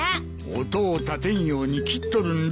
音を立てんように切っとるんだ。